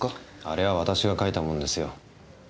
あれは私が書いたものですよ。